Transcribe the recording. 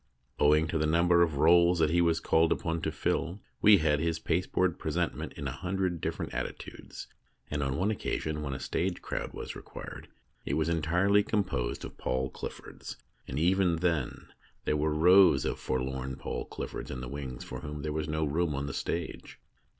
Owing to the number of roles that he was called upon to fill, we had his pasteboard present ment in a hundred different attitudes, and on one occasion when a stage crowd was required it was entirely composed of Paul Cliffords, and even then there were rows of 46 THE DAY BEFORE YESTERDAY forlorn Paul Cliffords in the wings for whom there was no room on the stage.